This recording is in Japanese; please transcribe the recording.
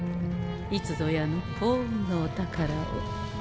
いつぞやの幸運のお宝を。